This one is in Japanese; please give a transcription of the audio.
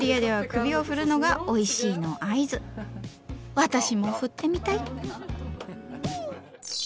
私も振ってみたい！